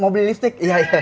mau beli lipstick